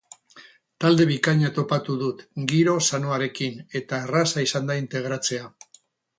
Talde bikaina topatu dut, giro sanoarekin, eta erraza izan da integratzea.